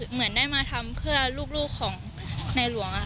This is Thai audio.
เหมือนได้มาทำเพื่อลูกของนายหลวงค่ะค่ะ